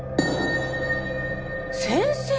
先生！